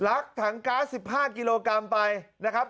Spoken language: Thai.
ลักถังก๊าซ๑๕กิโลกรัมไปนะครับ